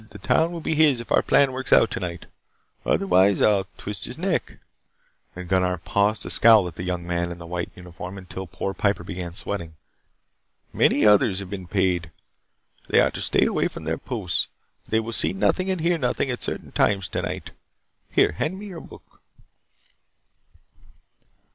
The town will be his if our plan works out tonight. Otherwise, I will twist his neck." And Gunnar paused to scowl at the young man in the white uniform until poor Piper began sweating. "Many others have been paid. They are to stay away from their posts. They will see nothing and hear nothing at certain times tonight. Here, hand me your book."